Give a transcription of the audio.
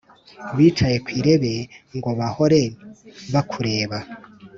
Bicaye ku irebe Ngo bahore bakureba.